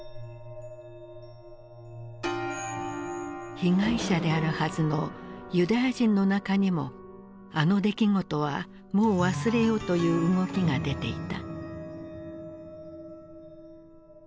被害者であるはずのユダヤ人の中にもあの出来事はもう忘れようという動きが出ていた。